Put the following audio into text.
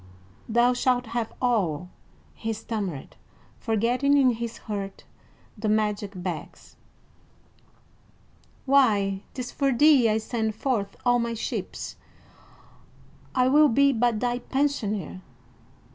"Thou shalt have all," he stammered, forgetting, in his hurt, the magic bags. "Why, 'tis for thee I send forth all my ships. I will be but thy pensioner."